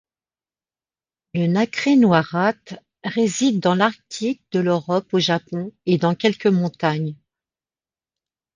Le Nacré noirâtre réside dans l'Arctique de l'Europe au Japon et dans quelques montagnes.